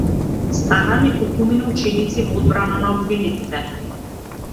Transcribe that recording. Станаа неколкумина ученици во одбрана на обвинетите.